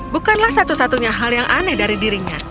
bukanlah satu satunya hal yang aneh dari dirinya